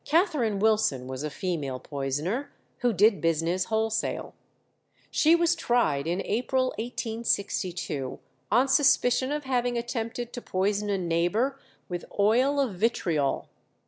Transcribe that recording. Catherine Wilson was a female poisoner who did business wholesale. She was tried in April 1862 on suspicion of having attempted to poison a neighbour with oil of vitriol.